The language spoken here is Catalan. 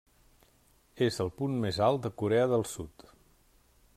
És el punt més alt de Corea del Sud.